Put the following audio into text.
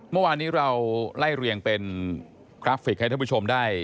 เมื่อวานนี้เราไล่เรียงเป็นกราฟิกให้ท่านผู้ชมได้